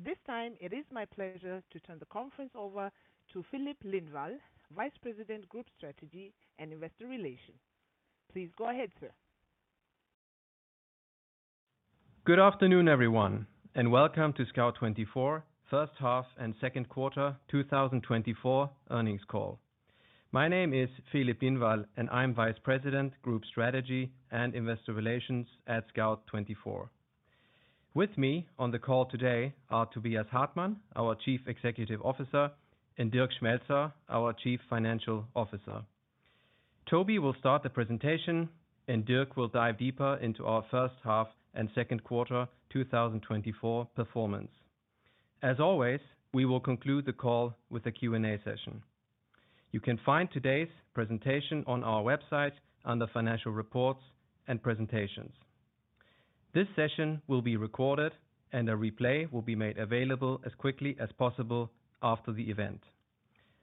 At this time, it is my pleasure to turn the conference over to Filip Lindvall, Vice President, Group Strategy and Investor Relations. Please go ahead, sir. Good afternoon, everyone, and welcome to Scout24 first half and second quarter 2024 earnings call. My name is Filip Lindvall, and I'm Vice President, Group Strategy and Investor Relations at Scout24. With me on the call today are Tobias Hartmann, our Chief Executive Officer, and Dirk Schmelzer, our Chief Financial Officer. Toby will start the presentation, and Dirk will dive deeper into our first half and second quarter 2024 performance. As always, we will conclude the call with a Q&A session. You can find today's presentation on our website under Financial Reports and Presentations. This session will be recorded, and a replay will be made available as quickly as possible after the event.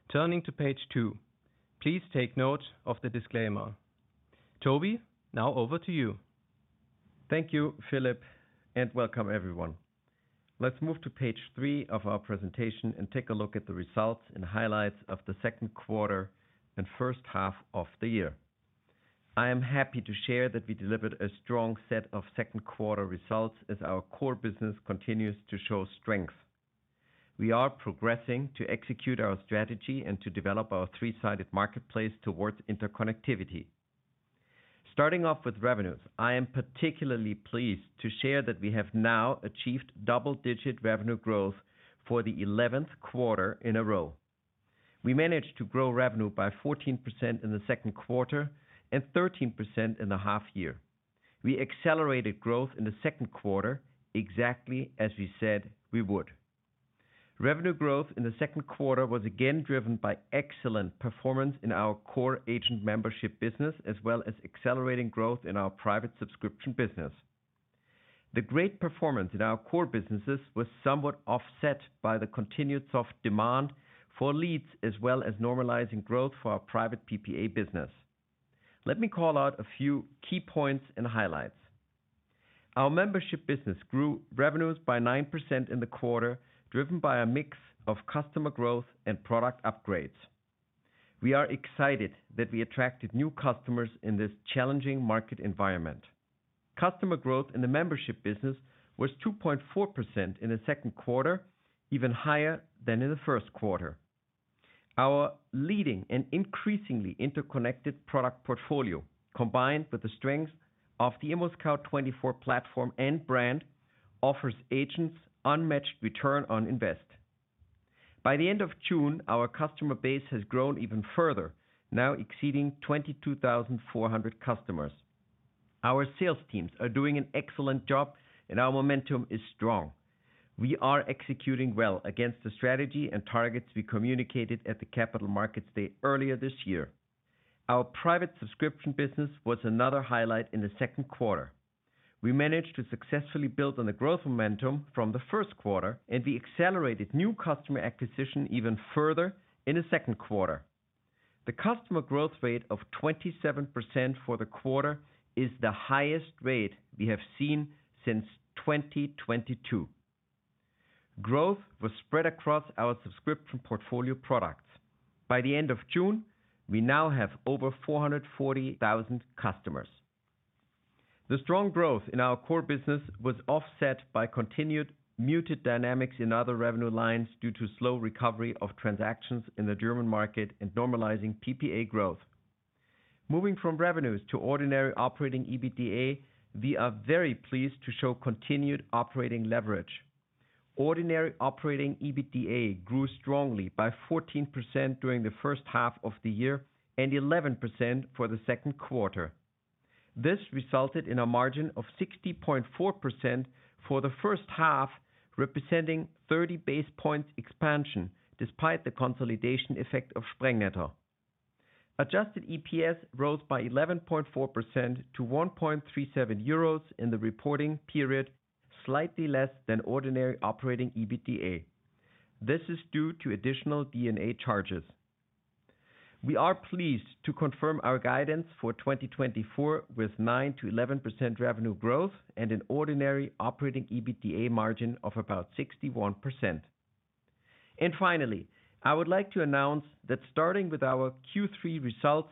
Turning to page two, please take note of the disclaimer. Toby, now over to you. Thank you, Filip, and welcome everyone. Let's move to page three of our presentation and take a look at the results and highlights of the second quarter and first half of the year. I am happy to share that we delivered a strong set of second quarter results as our core business continues to show strength. We are progressing to execute our strategy and to develop our three-sided marketplace towards interconnectivity. Starting off with revenues, I am particularly pleased to share that we have now achieved double-digit revenue growth for the eleventh quarter in a row. We managed to grow revenue by 14% in the second quarter and 13% in the half year. We accelerated growth in the second quarter, exactly as we said we would. Revenue growth in the second quarter was again driven by excellent performance in our core agent membership business, as well as accelerating growth in our private subscription business. The great performance in our core businesses was somewhat offset by the continued soft demand for leads, as well as normalizing growth for our private PPA business. Let me call out a few key points and highlights. Our membership business grew revenues by 9% in the quarter, driven by a mix of customer growth and product upgrades. We are excited that we attracted new customers in this challenging market environment. Customer growth in the membership business was 2.4% in the second quarter, even higher than in the first quarter. Our leading and increasingly interconnected product portfolio, combined with the strength of the ImmoScout24 platform and brand, offers agents unmatched return on investment. By the end of June, our customer base has grown even further, now exceeding 22,400 customers. Our sales teams are doing an excellent job, and our momentum is strong. We are executing well against the strategy and targets we communicated at the Capital Markets Day earlier this year. Our private subscription business was another highlight in the second quarter. We managed to successfully build on the growth momentum from the first quarter, and we accelerated new customer acquisition even further in the second quarter. The customer growth rate of 27% for the quarter is the highest rate we have seen since 2022. Growth was spread across our subscription portfolio products. By the end of June, we now have over 440,000 customers. The strong growth in our core business was offset by continued muted dynamics in other revenue lines due to slow recovery of transactions in the German market and normalizing PPA growth. Moving from revenues to ordinary operating EBITDA, we are very pleased to show continued operating leverage. Ordinary operating EBITDA grew strongly by 14% during the first half of the year and 11% for the second quarter. This resulted in a margin of 60.4% for the first half, representing 30 basis points expansion, despite the consolidation effect of Sprengnetter. Adjusted EPS rose by 11.4% to 1.37 euros in the reporting period, slightly less than ordinary operating EBITDA. This is due to additional D&A charges. We are pleased to confirm our guidance for 2024, with 9%-11% revenue growth and an Ordinary Operating EBITDA margin of about 61%. And finally, I would like to announce that starting with our Q3 results,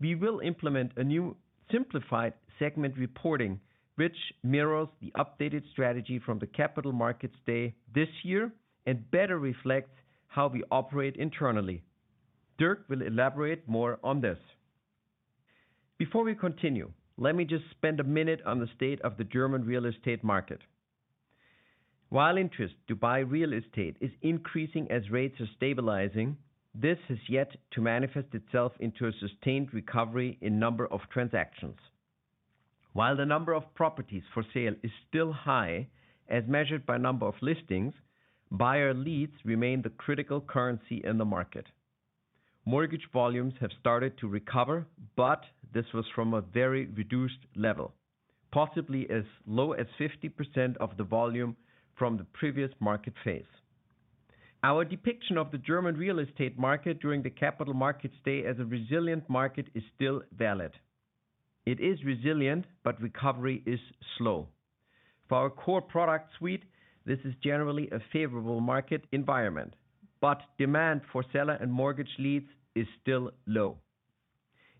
we will implement a new simplified segment reporting, which mirrors the updated strategy from the Capital Markets Day this year and better reflects how we operate internally. Dirk will elaborate more on this. Before we continue, let me just spend a minute on the state of the German real estate market. While interest to buy real estate is increasing as rates are stabilizing, this has yet to manifest itself into a sustained recovery in number of transactions. While the number of properties for sale is still high, as measured by number of listings, buyer leads remain the critical currency in the market. Mortgage volumes have started to recover, but this was from a very reduced level, possibly as low as 50% of the volume from the previous market phase. Our depiction of the German real estate market during the Capital Markets Day as a resilient market is still valid. It is resilient, but recovery is slow. For our core product suite, this is generally a favorable market environment, but demand for seller and mortgage leads is still low.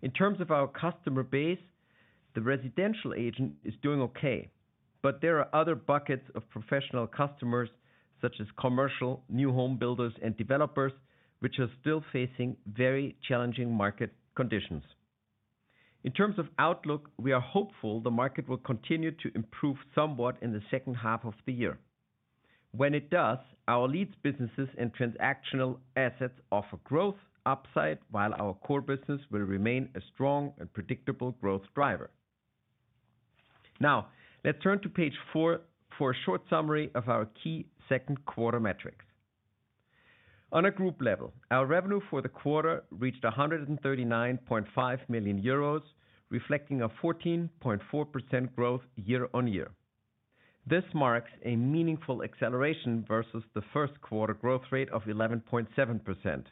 In terms of our customer base, the residential agent is doing okay, but there are other buckets of professional customers, such as commercial, new home builders, and developers, which are still facing very challenging market conditions. In terms of outlook, we are hopeful the market will continue to improve somewhat in the second half of the year. When it does, our leads, businesses, and transactional assets offer growth upside, while our core business will remain a strong and predictable growth driver. Now, let's turn to page four for a short summary of our key second quarter metrics. On a group level, our revenue for the quarter reached 139.5 million euros, reflecting a 14.4% growth year-on-year. This marks a meaningful acceleration versus the first quarter growth rate of 11.7%.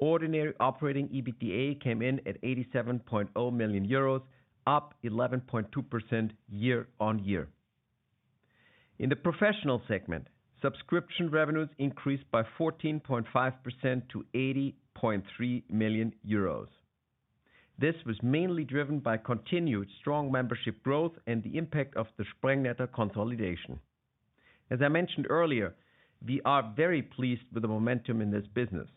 Ordinary Operating EBITDA came in at 87.0 million euros, up 11.2% year-on-year. In the professional segment, subscription revenues increased by 14.5% to 80.3 million euros. This was mainly driven by continued strong membership growth and the impact of the Sprengnetter consolidation. As I mentioned earlier, we are very pleased with the momentum in this business.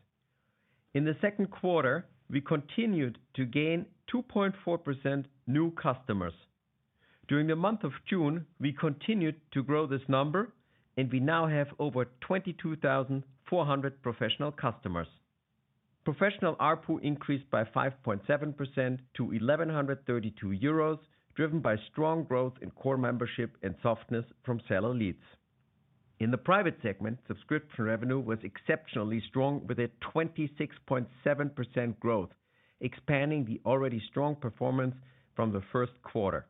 In the second quarter, we continued to gain 2.4% new customers. During the month of June, we continued to grow this number, and we now have over 22,400 professional customers. Professional ARPU increased by 5.7% to 1,132 euros, driven by strong growth in core membership and softness from seller leads. In the private segment, subscription revenue was exceptionally strong, with a 26.7% growth, expanding the already strong performance from the first quarter.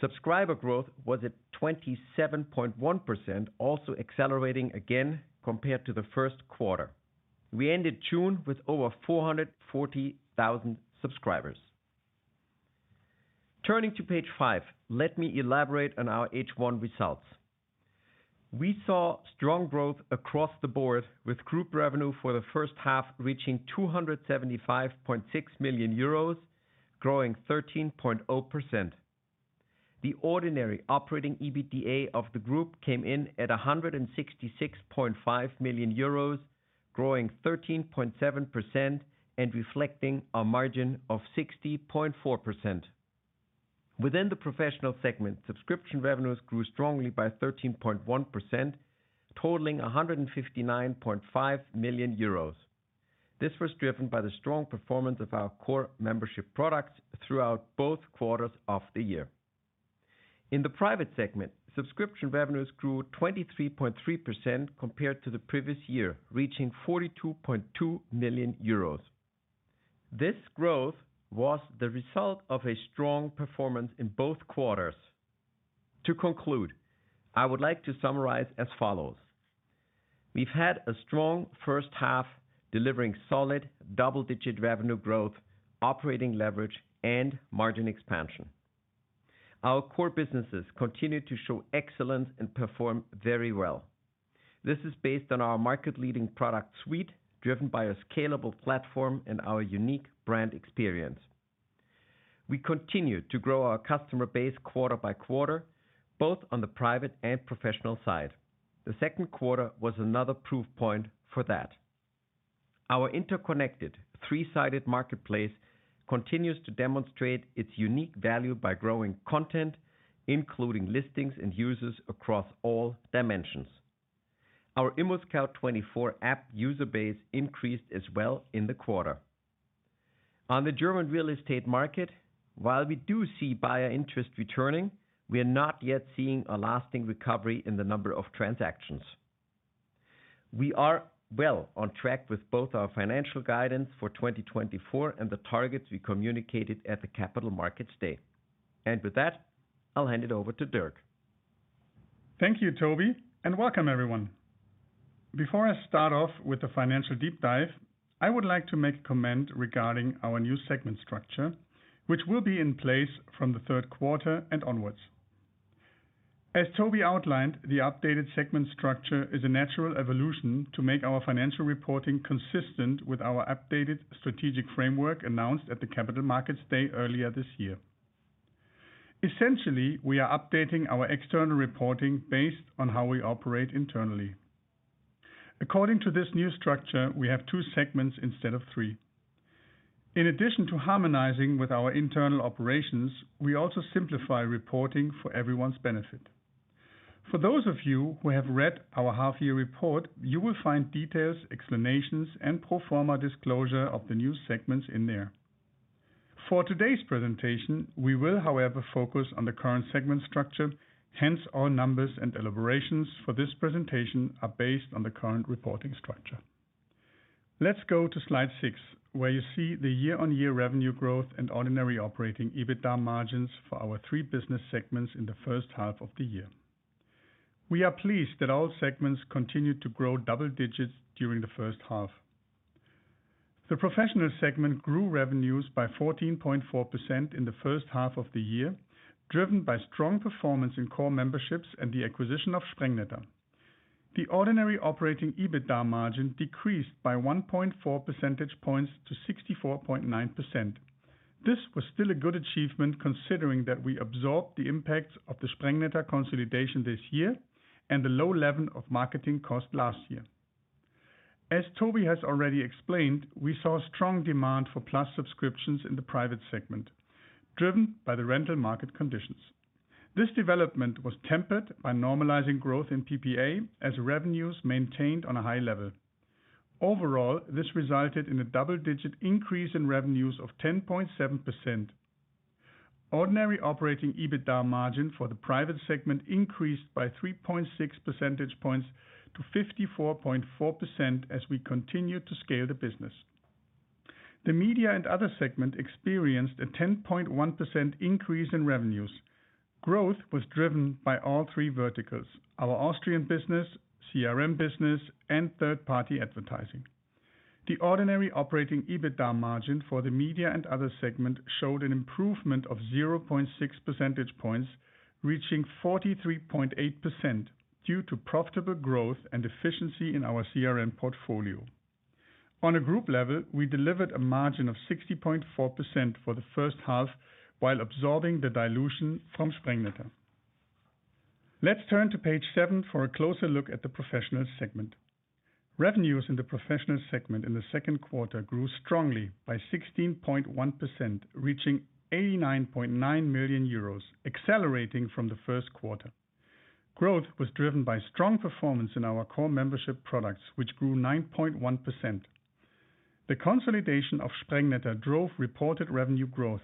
Subscriber growth was at 27.1%, also accelerating again compared to the first quarter. We ended June with over 440,000 subscribers. Turning to page five, let me elaborate on our H1 results. We saw strong growth across the board, with group revenue for the first half reaching 275.6 million euros, growing 13.0%. The Ordinary Operating EBITDA of the group came in at 166.5 million euros, growing 13.7% and reflecting a margin of 60.4%. Within the professional segment, subscription revenues grew strongly by 13.1%, totaling 159.5 million euros. This was driven by the strong performance of our core membership products throughout both quarters of the year. In the private segment, subscription revenues grew 23.3% compared to the previous year, reaching 42.2 million euros. This growth was the result of a strong performance in both quarters. To conclude, I would like to summarize as follows: We've had a strong first half, delivering solid double-digit revenue growth, operating leverage, and margin expansion. Our core businesses continue to show excellence and perform very well. This is based on our market-leading product suite, driven by a scalable platform and our unique brand experience. We continue to grow our customer base quarter by quarter, both on the private and professional side. The second quarter was another proof point for that. Our interconnected three-sided marketplace continues to demonstrate its unique value by growing content, including listings and users across all dimensions. Our ImmoScout24 app user base increased as well in the quarter. On the German real estate market, while we do see buyer interest returning, we are not yet seeing a lasting recovery in the number of transactions. We are well on track with both our financial guidance for 2024 and the targets we communicated at the Capital Markets Day. And with that, I'll hand it over to Dirk. Thank you, Toby, and welcome, everyone. Before I start off with the financial deep dive, I would like to make a comment regarding our new segment structure, which will be in place from the third quarter and onwards. As Toby outlined, the updated segment structure is a natural evolution to make our financial reporting consistent with our updated strategic framework announced at the Capital Markets Day earlier this year. Essentially, we are updating our external reporting based on how we operate internally. According to this new structure, we have two segments instead of three. In addition to harmonizing with our internal operations, we also simplify reporting for everyone's benefit. For those of you who have read our half-year report, you will find details, explanations, and pro forma disclosure of the new segments in there. For today's presentation, we will, however, focus on the current segment structure. Hence, our numbers and elaborations for this presentation are based on the current reporting structure. Let's go to slide six, where you see the year-on-year revenue growth and ordinary operating EBITDA margins for our three business segments in the first half of the year. We are pleased that all segments continued to grow double digits during the first half. The professional segment grew revenues by 14.4% in the first half of the year, driven by strong performance in core memberships and the acquisition of Sprengnetter. The ordinary operating EBITDA margin decreased by 1.4 percentage points to 64.9%. This was still a good achievement, considering that we absorbed the impacts of the Sprengnetter consolidation this year and the low level of marketing cost last year. As Toby has already explained, we saw strong demand for Plus subscriptions in the private segment, driven by the rental market conditions. This development was tempered by normalizing growth in PPA as revenues maintained on a high level. Overall, this resulted in a double-digit increase in revenues of 10.7%. Ordinary operating EBITDA margin for the private segment increased by 3.6 percentage points to 54.4% as we continued to scale the business. The media and other segment experienced a 10.1% increase in revenues. Growth was driven by all three verticals: our Austrian business, CRM business, and third-party advertising. The ordinary operating EBITDA margin for the media and other segment showed an improvement of 0.6 percentage points, reaching 43.8%, due to profitable growth and efficiency in our CRM portfolio. On a group level, we delivered a margin of 60.4% for the first half, while absorbing the dilution from Sprengnetter. Let's turn to page seven for a closer look at the professional segment. Revenues in the professional segment in the second quarter grew strongly by 16.1%, reaching 89.9 million euros, accelerating from the first quarter. Growth was driven by strong performance in our core membership products, which grew 9.1%. The consolidation of Sprengnetter drove reported revenue growth.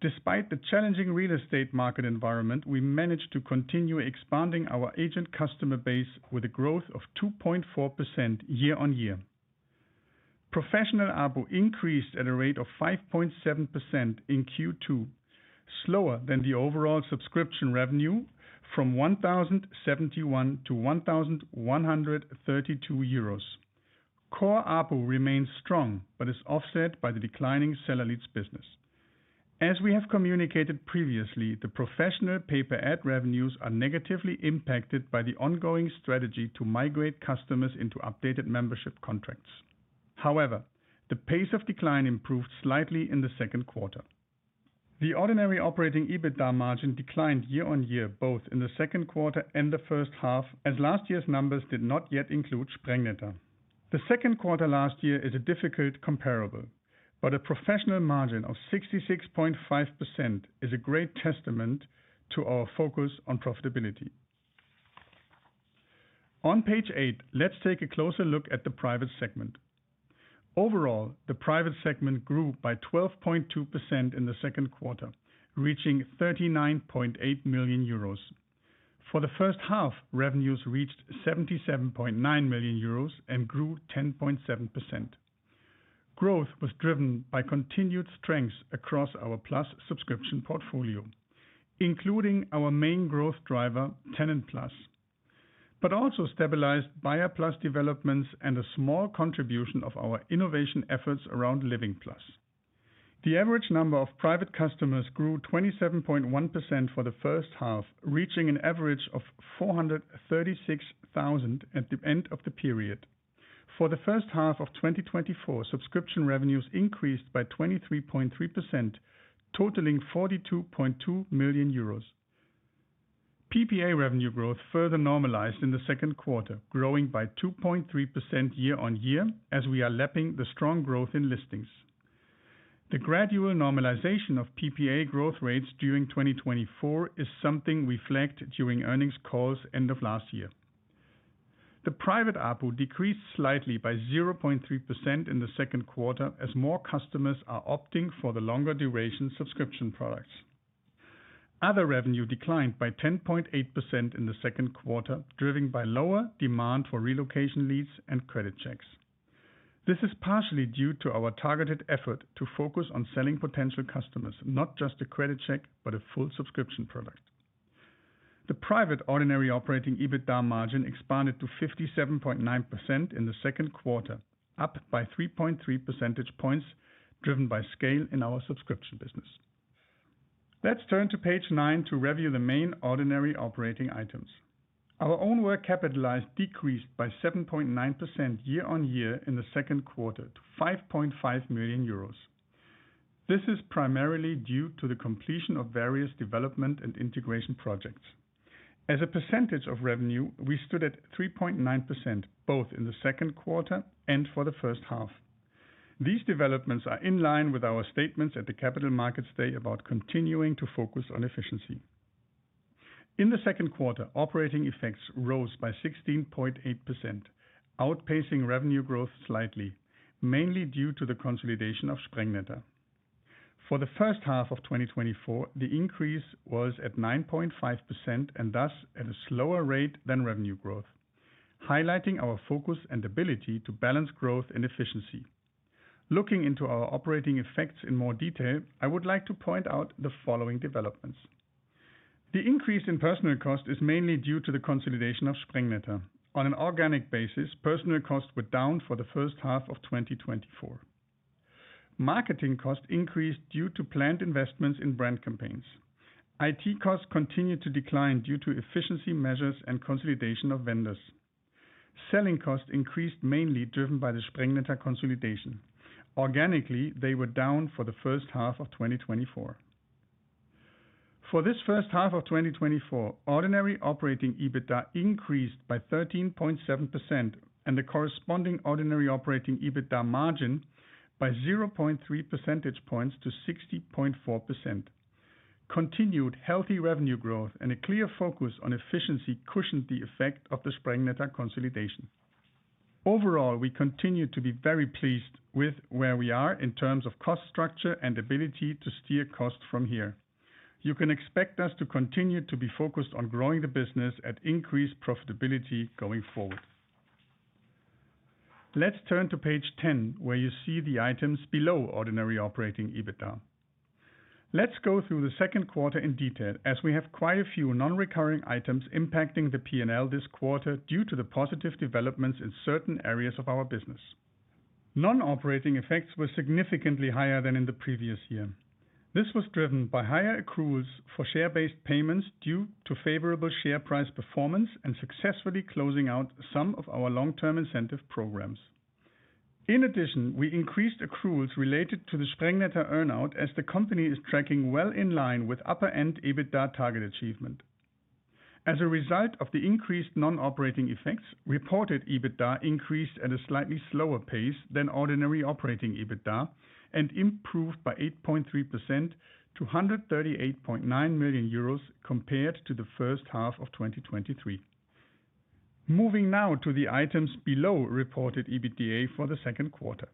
Despite the challenging real estate market environment, we managed to continue expanding our agent customer base with a growth of 2.4% year-on-year. Professional ARPU increased at a rate of 5.7% in Q2, slower than the overall subscription revenue from 1,071 to 1,132 euros. Core ARPU remains strong, but is offset by the declining seller leads business. As we have communicated previously, the professional pay-per-ad revenues are negatively impacted by the ongoing strategy to migrate customers into updated membership contracts. However, the pace of decline improved slightly in the second quarter. The ordinary operating EBITDA margin declined year-on-year, both in the second quarter and the first half, as last year's numbers did not yet include Sprengnetter. The second quarter last year is a difficult comparable, but a professional margin of 66.5% is a great testament to our focus on profitability. On page eight, let's take a closer look at the private segment. Overall, the private segment grew by 12.2% in the second quarter, reaching 39.8 million euros. For the first half, revenues reached 77.9 million euros and grew 10.7%. Growth was driven by continued strengths across our Plus subscription portfolio, including our main growth driver, TenantPlus, but also stabilized BuyerPlus developments and a small contribution of our innovation efforts around LivingPlus. The average number of private customers grew 27.1% for the first half, reaching an average of 436,000 at the end of the period. For the first half of 2024, subscription revenues increased by 23.3%, totaling EUR 42.2 million. PPA revenue growth further normalized in the second quarter, growing by 2.3% year-on-year, as we are lapping the strong growth in listings. The gradual normalization of PPA growth rates during 2024 is something we flagged during earnings calls end of last year. The private ARPU decreased slightly by 0.3% in the second quarter, as more customers are opting for the longer duration subscription products. Other revenue declined by 10.8% in the second quarter, driven by lower demand for relocation leads and credit checks. This is partially due to our targeted effort to focus on selling potential customers, not just a credit check, but a full subscription product. The private ordinary operating EBITDA margin expanded to 57.9% in the second quarter, up by 3.3 percentage points, driven by scale in our subscription business. Let's turn to page nine to review the main ordinary operating items. Our own work capitalized decreased by 7.9% year-on-year in the second quarter to 5.5 million euros. This is primarily due to the completion of various development and integration projects. As a percentage of revenue, we stood at 3.9%, both in the second quarter and for the first half. These developments are in line with our statements at the Capital Markets Day about continuing to focus on efficiency. In the second quarter, operating effects rose by 16.8%, outpacing revenue growth slightly, mainly due to the consolidation of Sprengnetter. For the first half of 2024, the increase was at 9.5%, and thus at a slower rate than revenue growth, highlighting our focus and ability to balance growth and efficiency. Looking into our operating effects in more detail, I would like to point out the following developments: The increase in personnel cost is mainly due to the consolidation of Sprengnetter. On an organic basis, personnel costs were down for the first half of 2024. Marketing costs increased due to planned investments in brand campaigns. IT costs continued to decline due to efficiency measures and consolidation of vendors. Selling costs increased, mainly driven by the Sprengnetter consolidation. Organically, they were down for the first half of 2024. For this first half of 2024, ordinary operating EBITDA increased by 13.7% and the corresponding ordinary operating EBITDA margin by 0.3 percentage points to 60.4%. Continued healthy revenue growth and a clear focus on efficiency cushioned the effect of the Sprengnetter consolidation. Overall, we continue to be very pleased with where we are in terms of cost structure and ability to steer costs from here. You can expect us to continue to be focused on growing the business at increased profitability going forward. Let's turn to page 10, where you see the items below ordinary operating EBITDA. Let's go through the second quarter in detail, as we have quite a few non-recurring items impacting the P&L this quarter due to the positive developments in certain areas of our business. Non-operating effects were significantly higher than in the previous year. This was driven by higher accruals for share-based payments due to favorable share price performance and successfully closing out some of our long-term incentive programs. In addition, we increased accruals related to the Sprengnetter earn-out as the company is tracking well in line with upper-end EBITDA target achievement. As a result of the increased non-operating effects, reported EBITDA increased at a slightly slower pace than ordinary operating EBITDA and improved by 8.3% to 138.9 million euros compared to the first half of 2023. Moving now to the items below reported EBITDA for the second quarter.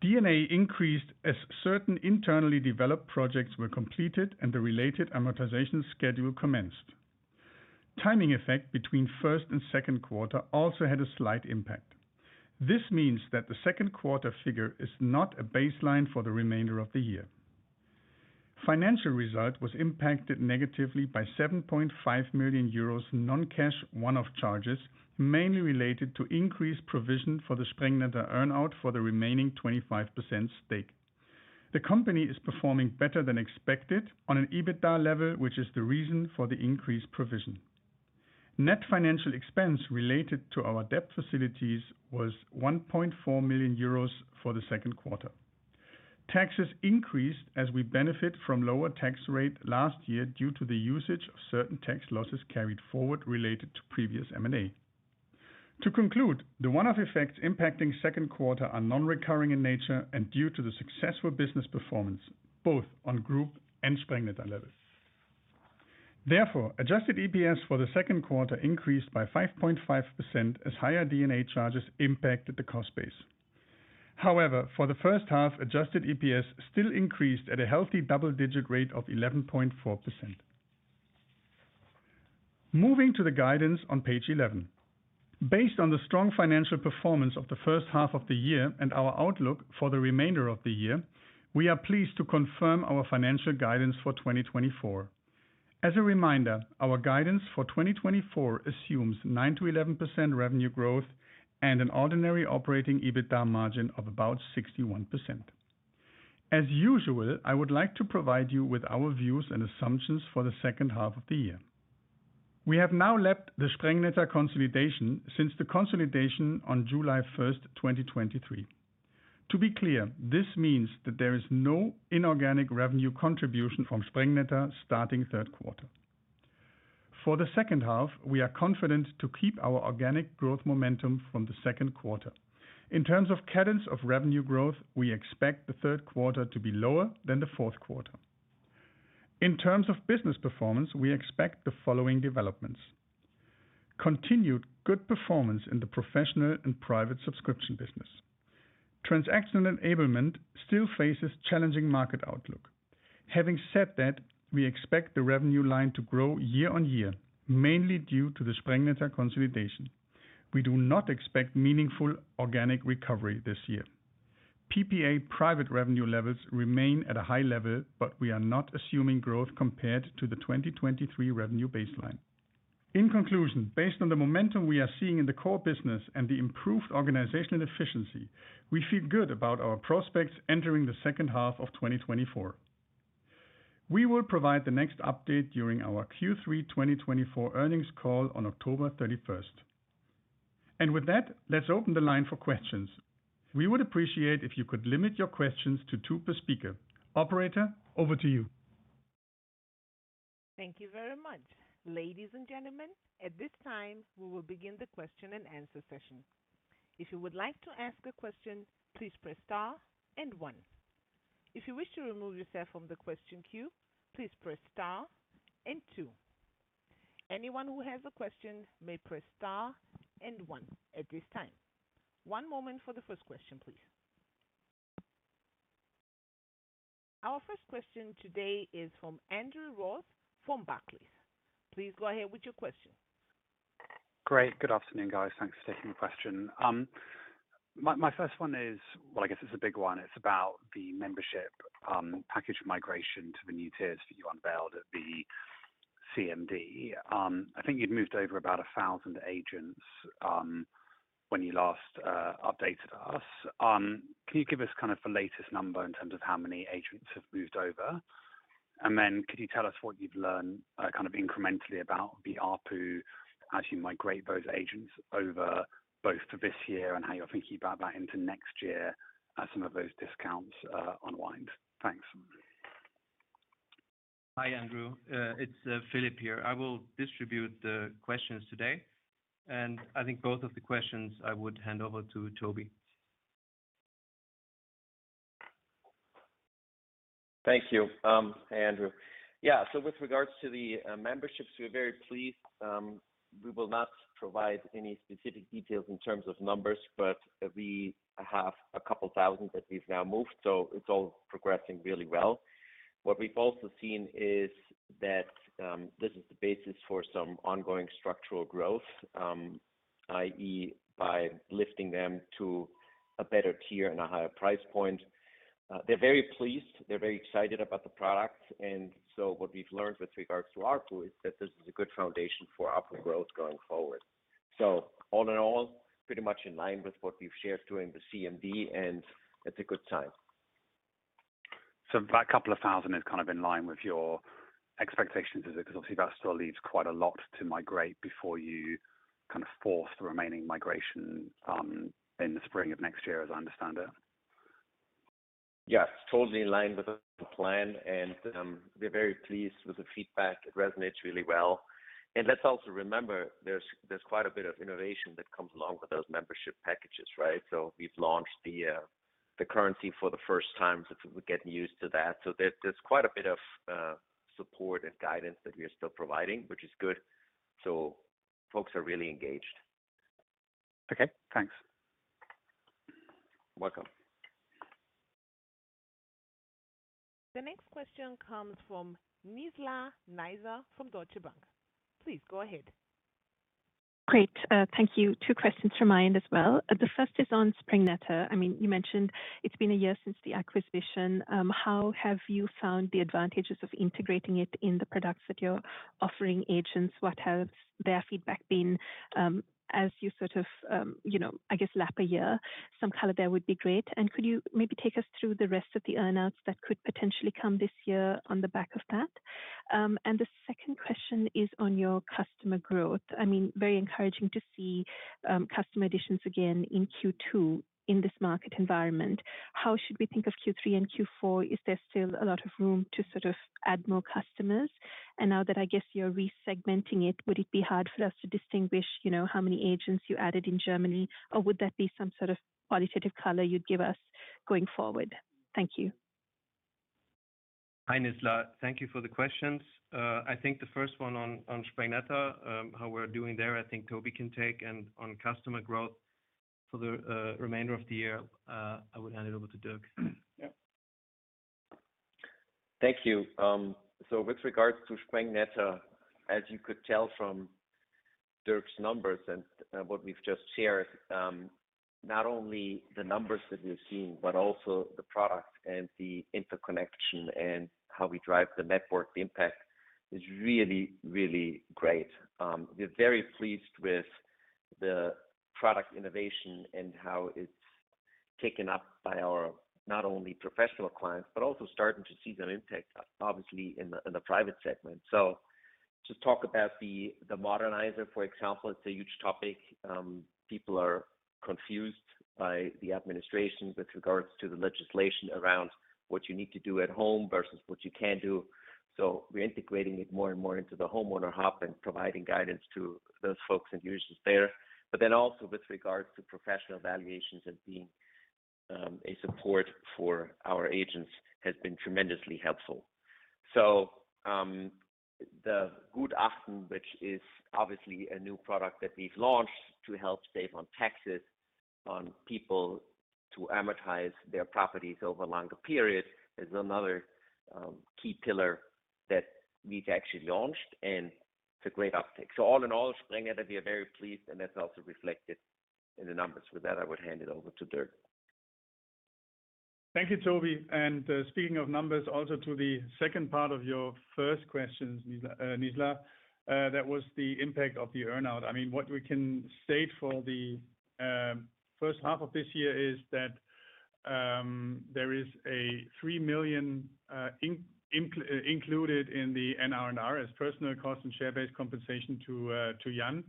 D&A increased as certain internally developed projects were completed and the related amortization schedule commenced. Timing effect between first and second quarter also had a slight impact. This means that the second quarter figure is not a baseline for the remainder of the year. Financial result was impacted negatively by 7.5 million euros non-cash one-off charges, mainly related to increased provision for the Sprengnetter earn-out for the remaining 25% stake. The company is performing better than expected on an EBITDA level, which is the reason for the increased provision. Net financial expense related to our debt facilities was 1.4 million euros for the second quarter. Taxes increased as we benefit from lower tax rate last year due to the usage of certain tax losses carried forward related to previous M&A. To conclude, the one-off effects impacting second quarter are non-recurring in nature and due to the successful business performance, both on group and Sprengnetter levels. Therefore, adjusted EPS for the second quarter increased by 5.5% as higher D&A charges impacted the cost base. However, for the first half, adjusted EPS still increased at a healthy double-digit rate of 11.4%. Moving to the guidance on page 11. Based on the strong financial performance of the first half of the year and our outlook for the remainder of the year, we are pleased to confirm our financial guidance for 2024. As a reminder, our guidance for 2024 assumes 9%-11% revenue growth and an ordinary operating EBITDA margin of about 61%. As usual, I would like to provide you with our views and assumptions for the second half of the year. We have now lapped the Sprengnetter consolidation since the consolidation on July 1st, 2023. To be clear, this means that there is no inorganic revenue contribution from Sprengnetter starting third quarter. For the second half, we are confident to keep our organic growth momentum from the second quarter. In terms of cadence of revenue growth, we expect the third quarter to be lower than the fourth quarter. In terms of business performance, we expect the following developments: Continued good performance in the professional and private subscription business. Transactional enablement still faces challenging market outlook. Having said that, we expect the revenue line to grow year-on-year, mainly due to the Sprengnetter consolidation. We do not expect meaningful organic recovery this year. PPA private revenue levels remain at a high level, but we are not assuming growth compared to the 2023 revenue baseline. In conclusion, based on the momentum we are seeing in the core business and the improved organizational efficiency, we feel good about our prospects entering the second half of 2024. We will provide the next update during our Q3 2024 earnings call on October 31st. And with that, let's open the line for questions. We would appreciate if you could limit your questions to two per speaker. Operator, over to you. Thank you very much. Ladies and gentlemen, at this time, we will begin the question-and-answer session. If you would like to ask a question, please press star and one. If you wish to remove yourself from the question queue, please press star and two. Anyone who has a question may press star and one at this time. One moment for the first question, please. Our first question today is from Andrew Ross, from Barclays. Please go ahead with your question. Great. Good afternoon, guys. Thanks for taking the question. My first one is, well, I guess it's a big one. It's about the membership package migration to the new tiers that you unveiled at the CMD. I think you'd moved over about 1,000 agents when you last updated us. Can you give us kind of the latest number in terms of how many agents have moved over? And then could you tell us what you've learned kind of incrementally about the ARPU as you migrate those agents over, both for this year and how you're thinking about that into next year as some of those discounts unwind? Thanks. Hi, Andrew. It's Filip here. I will distribute the questions today, and I think both of the questions I would hand over to Toby. Thank you. Hey, Andrew. Yeah, so with regards to the memberships, we're very pleased. We will not provide any specific details in terms of numbers, but we have a couple thousand that we've now moved, so it's all progressing really well. What we've also seen is that this is the basis for some ongoing structural growth, i.e., by lifting them to a better tier and a higher price point. They're very pleased, they're very excited about the product, and so what we've learned with regards to ARPU is that this is a good foundation for ARPU growth going forward. So all in all, pretty much in line with what we've shared during the CMD, and it's a good time. That 2,000 is kind of in line with your expectations, is it? Because obviously, that still leaves quite a lot to migrate before you kind of force the remaining migration in the spring of next year, as I understand it. Yes, totally in line with the plan, and we're very pleased with the feedback. It resonates really well. And let's also remember, there's quite a bit of innovation that comes along with those membership packages, right? So we've launched the currency for the first time, so we're getting used to that. So there's quite a bit of support and guidance that we are still providing, which is good. So folks are really engaged. Okay, thanks. Welcome. The next question comes from Nizla Naizer from Deutsche Bank. Please, go ahead. Great. Thank you. Two questions from mine as well. The first is on Sprengnetter. I mean, you mentioned it's been a year since the acquisition. How have you found the advantages of integrating it in the products that you're offering agents? What has their feedback been, as you sort of, you know, I guess, lap a year? Some color there would be great. And could you maybe take us through the rest of the earn-outs that could potentially come this year on the back of that? And the second question is on your customer growth. I mean, very encouraging to see, customer additions again in Q2 in this market environment. How should we think of Q3 and Q4? Is there still a lot of room to sort of add more customers? Now that I guess you're re-segmenting it, would it be hard for us to distinguish, you know, how many agents you added in Germany, or would that be some sort of qualitative color you'd give us going forward? Thank you. Hi, Nizla. Thank you for the questions. I think the first one on Sprengnetter, how we're doing there, I think Tobi can take. And on customer growth for the remainder of the year, I would hand it over to Dirk. Yeah. Thank you. So with regards to Sprengnetter, as you could tell from Dirk's numbers and what we've just shared, not only the numbers that we've seen, but also the product and the interconnection and how we drive the network impact is really, really great. We're very pleased with the product innovation and how it's taken up by our, not only professional clients, but also starting to see that impact, obviously, in the private segment. So just talk about the Modernizer, for example, it's a huge topic. People are confused by the administration with regards to the legislation around what you need to do at home versus what you can do. So we're integrating it more and more into the Homeowner Hub and providing guidance to those folks and users there. But then also with regards to professional valuations and being, a support for our agents, has been tremendously helpful. So, the Gutachten, which is obviously a new product that we've launched to help save on taxes on people to amortize their properties over longer periods, is another, key pillar that we've actually launched, and it's a great uptick. So all in all, Sprengnetter, we are very pleased, and that's also reflected in the numbers. With that, I would hand it over to Dirk. Thank you, Toby. Speaking of numbers, also to the second part of your first question, Nizla, that was the impact of the earn-out. I mean, what we can state for the first half of this year is that there is a 3 million included in the NRRNR as personnel cost and share-based compensation to Jan.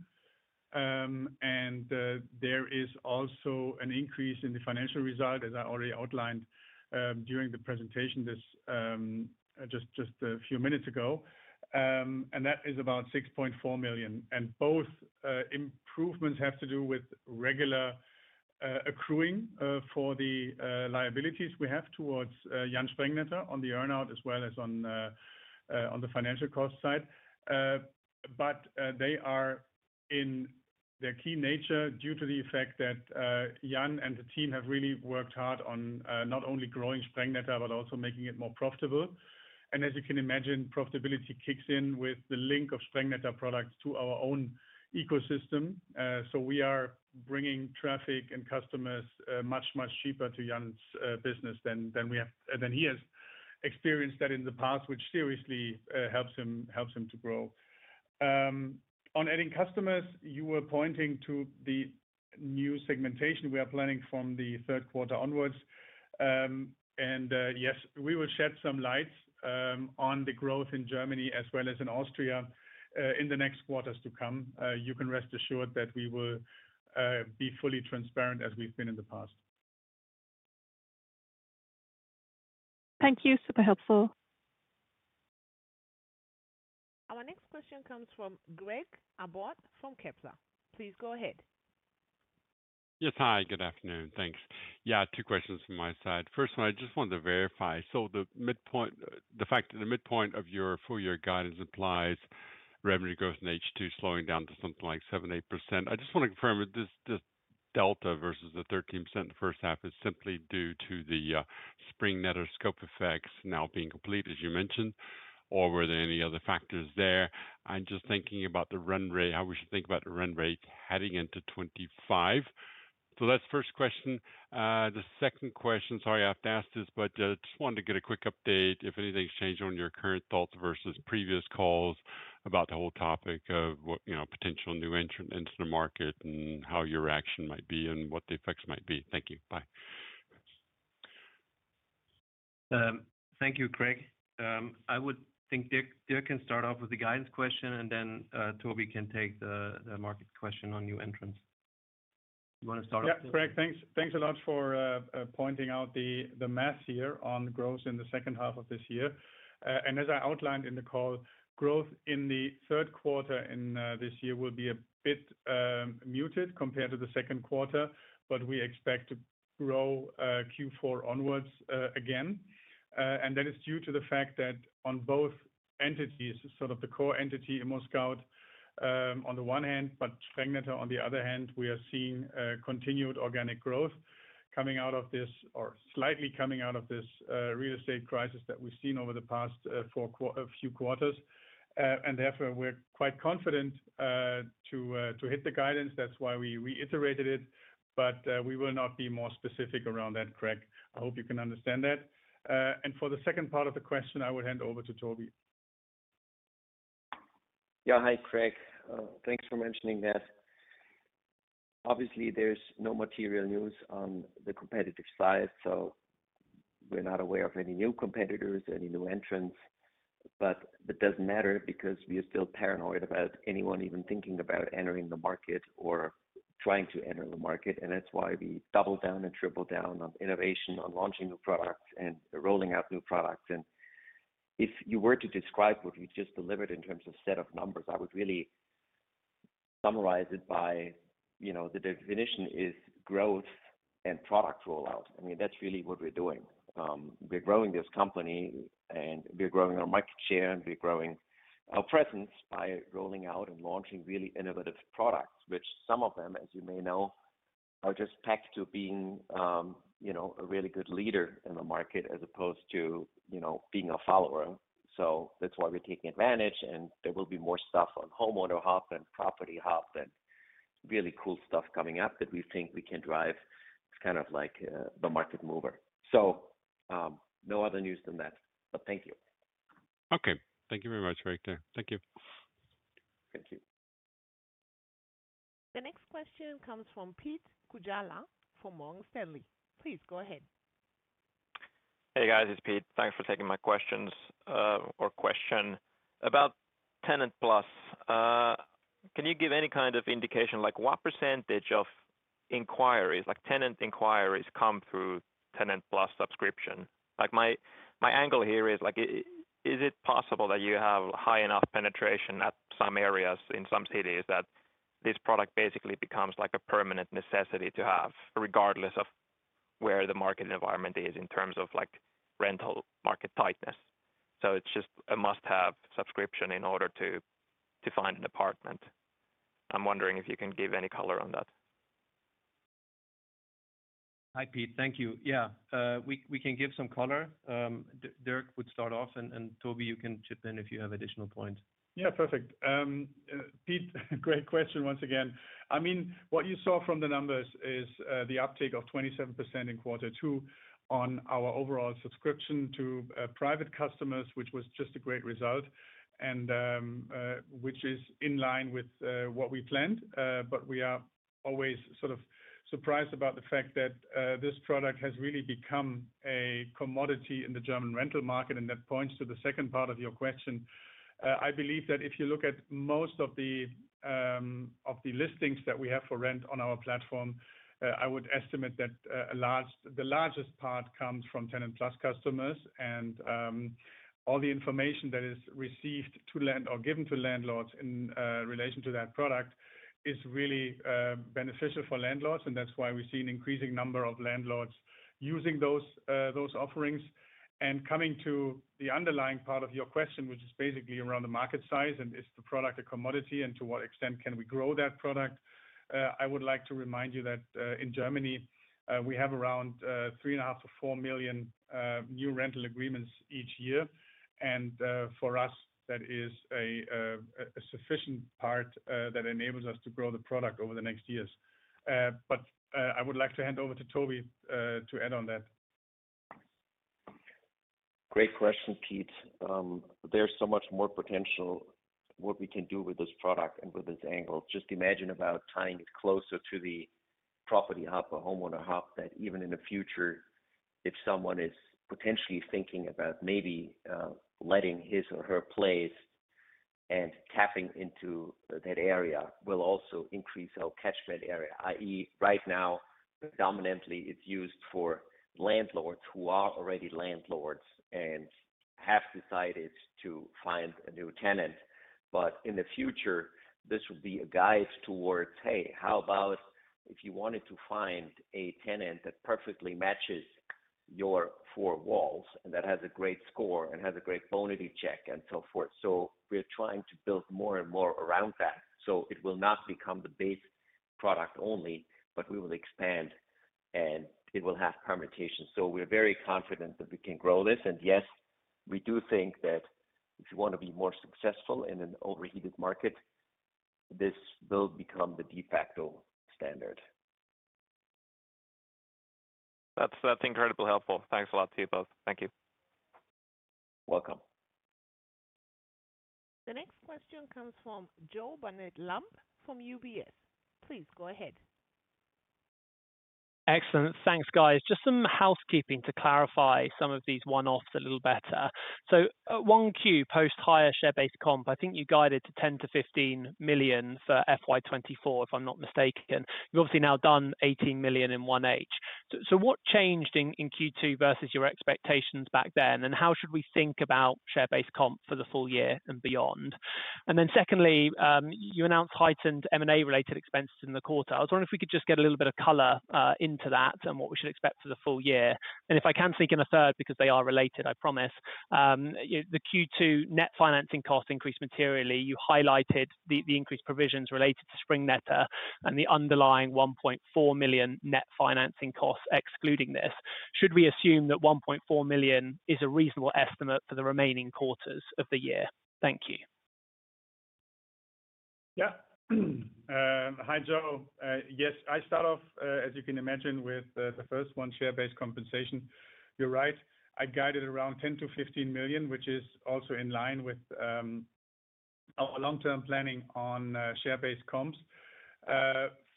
And there is also an increase in the financial result, as I already outlined, during the presentation this just a few minutes ago. And that is about 6.4 million. And both improvements have to do with regularly accruing for the liabilities we have towards Jan Sprengnetter on the earn-out, as well as on the financial cost side. But they are in their key nature due to the effect that Jan and the team have really worked hard on, not only growing Sprengnetter but also making it more profitable. And as you can imagine, profitability kicks in with the link of Sprengnetter products to our own ecosystem. So we are bringing traffic and customers much, much cheaper to Jan's business than he has experienced that in the past, which seriously helps him, helps him to grow. On adding customers, you were pointing to the new segmentation we are planning from the third quarter onwards. Yes, we will shed some light on the growth in Germany as well as in Austria in the next quarters to come. You can rest assured that we will be fully transparent as we've been in the past. Thank you. Super helpful. Our next question comes from Craig Abbott from Kepler. Please go ahead. Yes, hi, good afternoon. Thanks. Yeah, two questions from my side. First one, I just wanted to verify. So the midpoint—the fact that the midpoint of your full year guidance implies revenue growth in H2, slowing down to something like 7%-8%. I just want to confirm, this, this delta versus the 13% in the first half is simply due to the, Sprengnetter scope effects now being complete, as you mentioned, or were there any other factors there? I'm just thinking about the run rate, how we should think about the run rate heading into 2025. So that's the first question. The second question, sorry, I have to ask this, but just wanted to get a quick update, if anything's changed on your current thoughts versus previous calls about the whole topic of what, you know, potential new entrant into the market and how your action might be and what the effects might be? Thank you. Bye. Thank you, Craig. I would think Dirk can start off with the guidance question, and then Toby can take the market question on new entrants. You want to start off? Yeah, Craig, thanks, thanks a lot for pointing out the math here on growth in the second half of this year. And as I outlined in the call, growth in the third quarter in this year will be a bit muted compared to the second quarter, but we expect to grow Q4 onwards again. And that is due to the fact that on both entities, sort of the core entity, ImmoScout, on the one hand, but Sprengnetter, on the other hand, we are seeing continued organic growth coming out of this or slightly coming out of this real estate crisis that we've seen over the past a few quarters. And therefore, we're quite confident to hit the guidance. That's why we reiterated it, but we will not be more specific around that, Craig. I hope you can understand that. And for the second part of the question, I would hand over to Toby. Yeah. Hi, Craig. Thanks for mentioning that. Obviously, there's no material news on the competitive side, so we're not aware of any new competitors, any new entrants, but that doesn't matter because we are still paranoid about anyone even thinking about entering the market or trying to enter the market. And that's why we double down and triple down on innovation, on launching new products and rolling out new products. And if you were to describe what we just delivered in terms of set of numbers, I would really summarize it by, you know, the definition is growth and product rollout. I mean, that's really what we're doing. We're growing this company, and we're growing our market share, and we're growing our presence by rolling out and launching really innovative products, which some of them, as you may know, are just packed to being, you know, a really good leader in the market as opposed to, you know, being a follower. So that's why we're taking advantage, and there will be more stuff on Homeowner Hub and Property Hub and really cool stuff coming up that we think we can drive. It's kind of like, the market mover. So, no other news than that, but thank you. Okay. Thank you very much, Very clear. Thank you. Thank you. The next question comes from Pete Kujala, from Morgan Stanley. Please go ahead. Hey, guys, it's Pete. Thanks for taking my questions or question. About TenantPlus, can you give any kind of indication, like what percentage of inquiries, like tenant inquiries, come through TenantPlus subscription? Like, my angle here is, like, is it possible that you have high enough penetration at some areas in some cities, that this product basically becomes like a permanent necessity to have, regardless of where the market environment is in terms of, like, rental market tightness? So it's just a must-have subscription in order to find an apartment. I'm wondering if you can give any color on that. Hi, Pete. Thank you. Yeah, we can give some color. Dirk would start off, and Toby, you can chip in if you have additional points. Yeah, perfect. Pete, great question once again. I mean, what you saw from the numbers is the uptake of 27% in quarter two on our overall subscription to private customers, which was just a great result, and which is in line with what we planned. But we are always sort of surprised about the fact that this product has really become a commodity in the German rental market, and that points to the second part of your question. I believe that if you look at most of the listings that we have for rent on our platform, I would estimate that a large- the largest part comes from Tenant Plus customers. All the information that is received to land or given to landlords in relation to that product is really beneficial for landlords, and that's why we see an increasing number of landlords using those those offerings. Coming to the underlying part of your question, which is basically around the market size, and is the product a commodity, and to what extent can we grow that product? I would like to remind you that in Germany we have around 3.5-4 million new rental agreements each year. For us, that is a sufficient part that enables us to grow the product over the next years. But I would like to hand over to Toby to add on that. Great question, Pete. There's so much more potential what we can do with this product and with this angle. Just imagine about tying it closer to the Property Hub or Homeowner Hub, that even in the future, if someone is potentially thinking about maybe, letting his or her place and tapping into that area, will also increase our catchment area, i.e., right now, dominantly, it's used for landlords who are already landlords and have decided to find a new tenant. But in the future, this would be a guide towards, "Hey, how about if you wanted to find a tenant that perfectly matches your four walls and that has a great score and has a great Bonity check, and so forth?" So we're trying to build more and more around that. It will not become the base product only, but we will expand, and it will have permutations. We're very confident that we can grow this. Yes, we do think that if you want to be more successful in an overheated market, this will become the de facto standard. That's, that's incredibly helpful. Thanks a lot to you both. Thank you. Welcome. The next question comes from Joe Barnet-Lamb from UBS. Please go ahead. Excellent. Thanks, guys. Just some housekeeping to clarify some of these one-offs a little better. So, one Q, post-hire share-based comp, I think you guided to 10 million-15 million for FY 2024, if I'm not mistaken. You've obviously now done 18 million in 1H. So what changed in Q2 versus your expectations back then? And how should we think about share-based comp for the full year and beyond? And then secondly, you announced heightened M&A-related expenses in the quarter. I was wondering if we could just get a little bit of color into that and what we should expect for the full year. And if I can sneak in a third, because they are related, I promise. You know, the Q2 net financing costs increased materially. You highlighted the increased provisions related to Sprengnetter and the underlying 1.4 million net financing costs excluding this. Should we assume that 1.4 million is a reasonable estimate for the remaining quarters of the year? Thank you. Yeah. Hi, Joe. Yes, I start off, as you can imagine, with the first one, share-based compensation. You're right, I guided around 10 million-15 million, which is also in line with our long-term planning on share-based comps.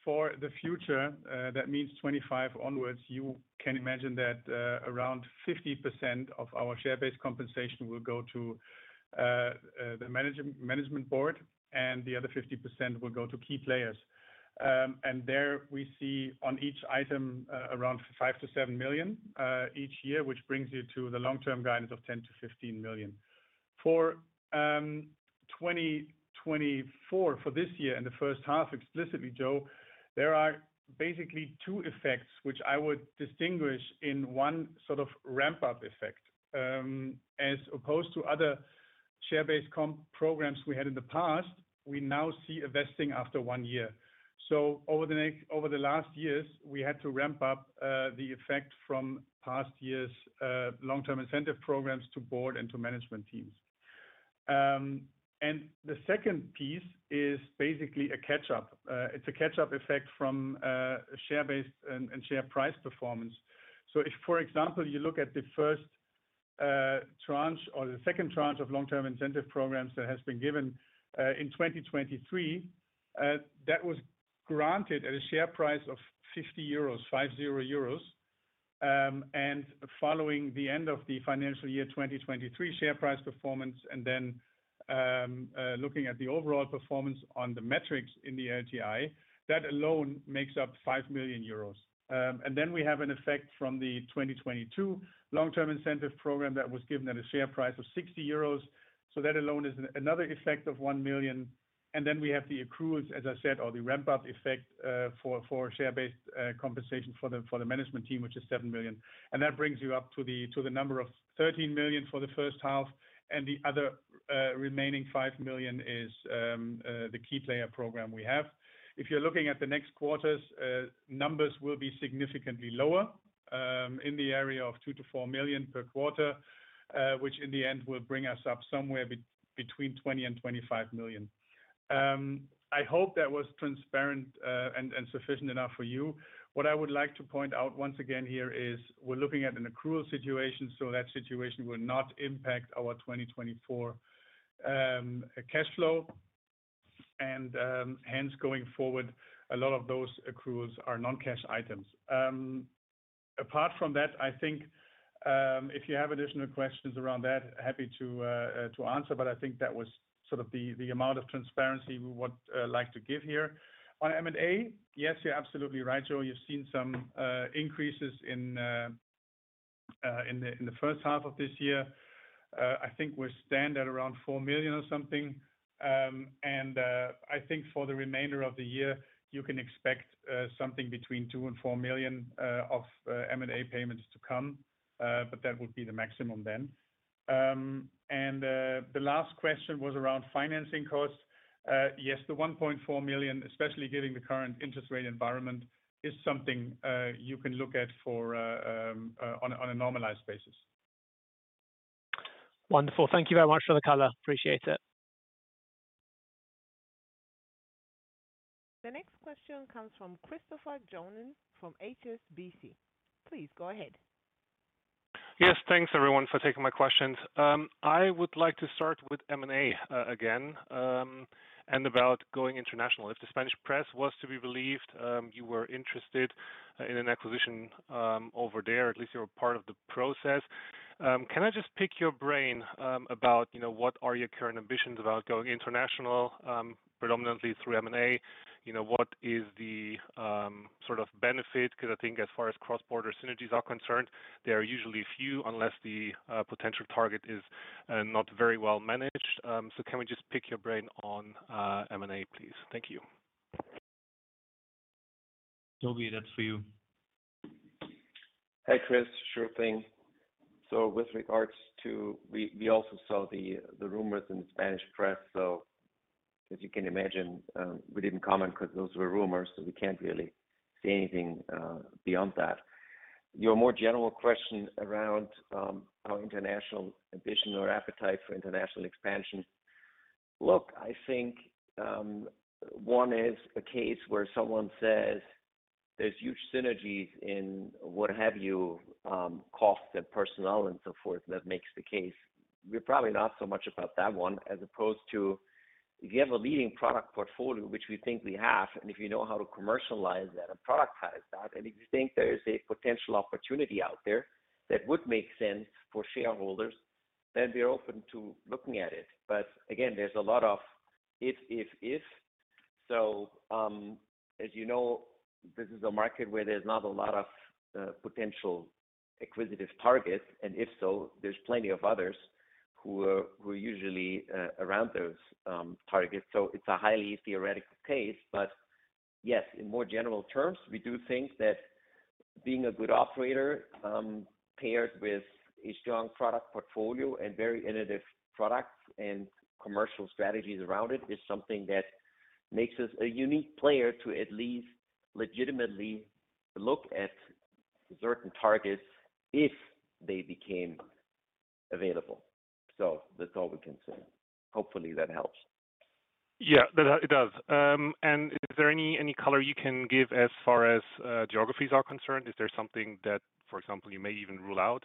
For the future, that means 2025 onwards, you can imagine that around 50% of our share-based compensation will go to the management board, and the other 50% will go to key players. And there we see on each item around 5 million-7 million each year, which brings you to the long-term guidance of 10 million-15 million. For 2024, for this year and the first half, explicitly, Joe, there are basically two effects which I would distinguish in one sort of ramp-up effect. As opposed to other share-based comp programs we had in the past, we now see a vesting after one year. So over the last years, we had to ramp up the effect from past years' long-term incentive programs to board and to management teams. And the second piece is basically a catch-up. It's a catch-up effect from share-based and share price performance. So if, for example, you look at the first tranche or the second tranche of long-term incentive programs that has been given in 2023, that was granted at a share price of 50 euros. And following the end of the financial year, 2023 share price performance, and then looking at the overall performance on the metrics in the LTI, that alone makes up 5 million euros. And then we have an effect from the 2022 long-term incentive program that was given at a share price of 60 euros. So that alone is another effect of 1 million. And then we have the accruals, as I said, or the ramp-up effect, for share-based compensation for the management team, which is 7 million. And that brings you up to the number of 13 million for the first half, and the other remaining 5 million is the key player program we have. If you're looking at the next quarters, numbers will be significantly lower, in the area of 2 million-4 million per quarter, which in the end will bring us up somewhere between 20 million and 25 million. I hope that was transparent, and sufficient enough for you. What I would like to point out once again here is, we're looking at an accrual situation, so that situation will not impact our 2024 cash flow and hence going forward, a lot of those accruals are non-cash items. Apart from that, I think if you have additional questions around that, happy to answer, but I think that was sort of the amount of transparency we would like to give here. On M&A, yes, you're absolutely right, Joe. You've seen some increases in the first half of this year. I think we stand at around 4 million or something. I think for the remainder of the year, you can expect something between 2 million and 4 million of M&A payments to come, but that would be the maximum then. The last question was around financing costs. Yes, the 1.4 million, especially given the current interest rate environment, is something you can look at for on a normalized basis. Wonderful. Thank you very much for the color. Appreciate it. The next question comes from Christopher Johnen from HSBC. Please go ahead. Yes. Thanks, everyone, for taking my questions. I would like to start with M&A, again, and about going international. If the Spanish press was to be believed, you were interested in an acquisition, over there, at least you were part of the process. Can I just pick your brain, about, you know, what are your current ambitions about going international, predominantly through M&A? You know, what is the, sort of benefit? Because I think as far as cross-border synergies are concerned, there are usually few, unless the, potential target is, not very well managed. So can we just pick your brain on, M&A, please? Thank you. Tobi, that's for you. Hey, Chris. Sure thing. So with regards to... We also saw the rumors in the Spanish press. So as you can imagine, we didn't comment because those were rumors, so we can't really say anything beyond that. Your more general question around our international ambition or appetite for international expansion. Look, I think one is a case where someone says there's huge synergies in what have you, costs and personnel and so forth, that makes the case. We're probably not so much about that one, as opposed to if you have a leading product portfolio, which we think we have, and if you know how to commercialize that and productize that, and if you think there is a potential opportunity out there that would make sense for shareholders, then we're open to looking at it. But again, there's a lot of if, if, if. So, as you know, this is a market where there's not a lot of potential acquisitive targets, and if so, there's plenty of others who who are usually around those targets. So it's a highly theoretical case. But yes, in more general terms, we do think that being a good operator paired with a strong product portfolio and very innovative products and commercial strategies around it is something that makes us a unique player to at least legitimately look at certain targets if they became available. So that's all we can say. Hopefully, that helps. Yeah, that. It does. And is there any color you can give as far as geographies are concerned? Is there something that, for example, you may even rule out?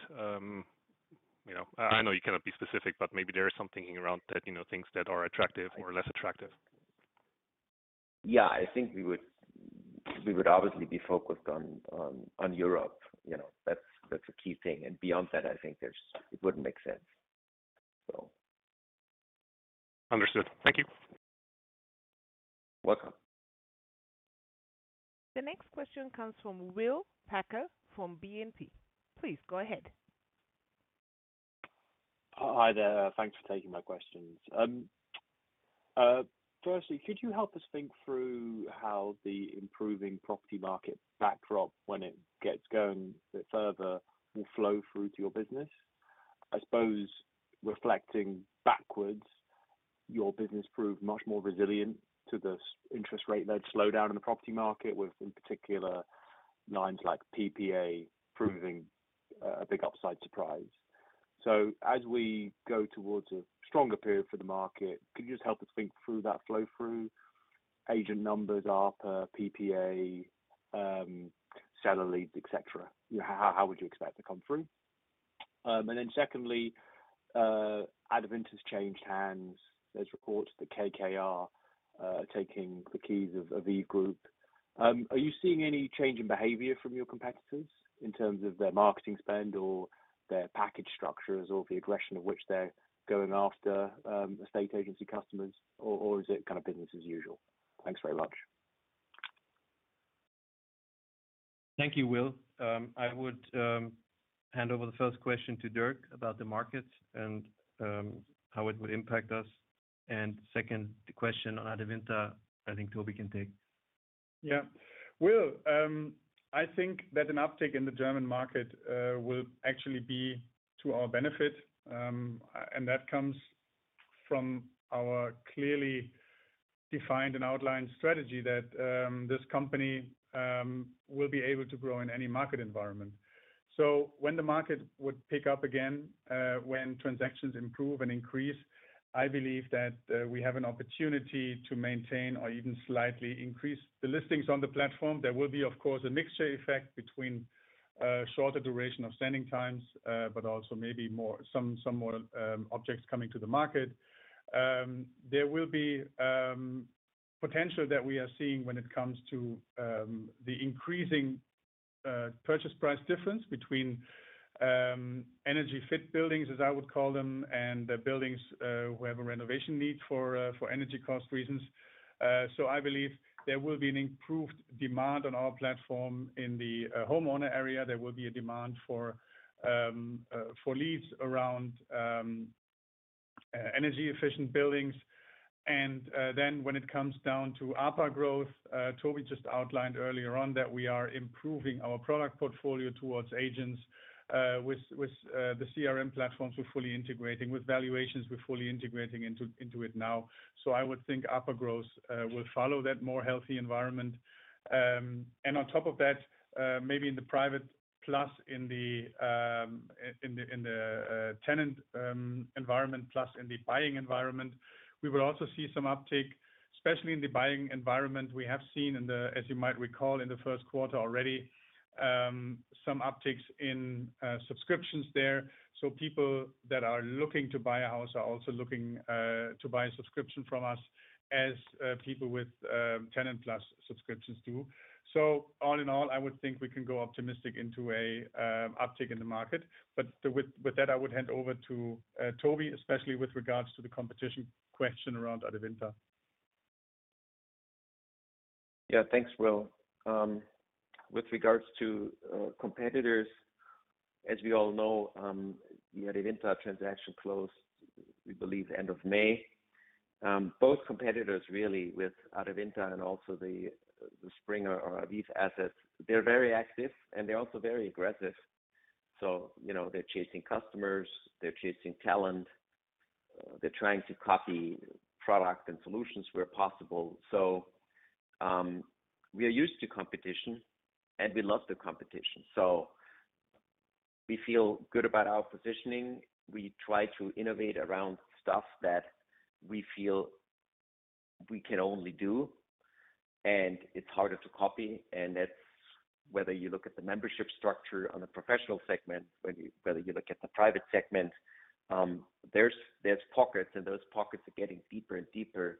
You know, I know you cannot be specific, but maybe there is something around that, you know, things that are attractive or less attractive. Yeah, I think we would obviously be focused on Europe. You know, that's a key thing. And beyond that, I think it wouldn't make sense. So. Understood. Thank you. Welcome. The next question comes from Will Packer, from BNP. Please go ahead. Hi there. Thanks for taking my questions. Firstly, could you help us think through how the improving property market backdrop, when it gets going a bit further, will flow through to your business? I suppose reflecting backwards, your business proved much more resilient to the interest rate led slowdown in the property market, with, in particular, lines like PPA proving a big upside surprise. So as we go towards a stronger period for the market, could you just help us think through that flow through agent numbers, ARPA, PPA, seller leads, et cetera? How would you expect to come through? And then secondly, Adevinta has changed hands. There's reports that KKR are taking the keys of Aviv Group. Are you seeing any change in behavior from your competitors in terms of their marketing spend or their package structures, or the aggression of which they're going after, estate agency customers, or is it kind of business as usual? Thanks very much. Thank you, Will. I would hand over the first question to Dirk about the markets and how it would impact us. And second, the question on Adevinta, I think Toby can take. Yeah. Will, I think that an uptick in the German market will actually be to our benefit. And that comes from our clearly defined and outlined strategy that this company will be able to grow in any market environment. So when the market would pick up again, when transactions improve and increase, I believe that we have an opportunity to maintain or even slightly increase the listings on the platform. There will be, of course, a mixture effect between shorter duration of sending times, but also maybe more, some, some more objects coming to the market. There will be potential that we are seeing when it comes to the increasing-... Purchase price difference between energy fit buildings, as I would call them, and the buildings who have a renovation need for energy cost reasons. So I believe there will be an improved demand on our platform. In the homeowner area, there will be a demand for leads around energy-efficient buildings. Then when it comes down to ARPA growth, Toby just outlined earlier on that we are improving our product portfolio towards agents with the CRM platforms. We're fully integrating with valuations. We're fully integrating into it now. So I would think ARPA growth will follow that more healthy environment. And on top of that, maybe in the private plus in the tenant environment, plus in the buying environment, we will also see some uptake, especially in the buying environment. We have seen, as you might recall, in the first quarter already, some upticks in subscriptions there. So people that are looking to buy a house are also looking to buy a subscription from us as people with TenantPlus subscriptions, too. So all in all, I would think we can go optimistic into a uptick in the market. But with that, I would hand over to Toby, especially with regards to the competition question around Adevinta. Yeah, thanks, Will. With regards to competitors, as we all know, the Adevinta transaction closed, we believe, end of May. Both competitors really with Adevinta and also the, the Springer or Aviv assets. They're very active, and they're also very aggressive. So, you know, they're chasing customers, they're chasing talent, they're trying to copy product and solutions where possible. So, we are used to competition, and we love the competition. So we feel good about our positioning. We try to innovate around stuff that we feel we can only do, and it's harder to copy. That's whether you look at the membership structure on the professional segment, whether you look at the private segment, there's pockets, and those pockets are getting deeper and deeper,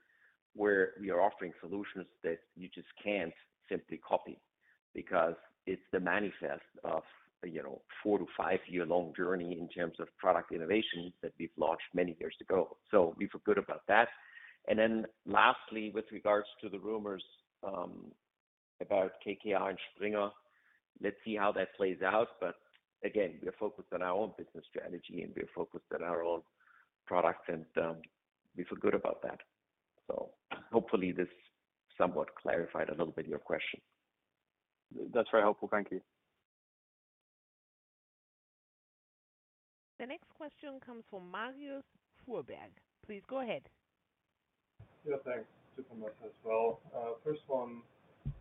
where we are offering solutions that you just can't simply copy, because it's the manifestation of, you know, 4-5-year-long journey in terms of product innovation that we've launched many years ago. So we feel good about that. And then lastly, with regards to the rumors about KKR and Springer, let's see how that plays out. But again, we are focused on our own business strategy, and we are focused on our own products, and we feel good about that. So hopefully this somewhat clarified a little bit your question. That's very helpful. Thank you. The next question comes from Marius Fuhrberg. Please go ahead. Yeah, thanks super much as well. First one,